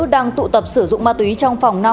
đang tụ tập sử dụng ma túy trong phòng năm